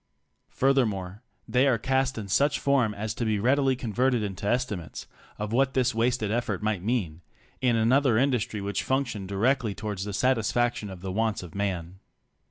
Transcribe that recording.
Furthermore they are cast in such form as to be readily converted into estimates of what this wasted effort might mean in another industry which func tioned directly towards the satisfaction of the wants of man.